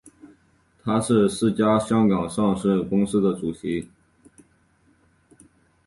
他是四家香港上市公司的主席。